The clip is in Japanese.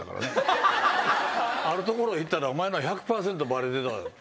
ある所へ行ったらお前のは１００％バレてたって。